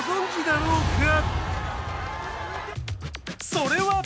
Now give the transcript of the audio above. それは！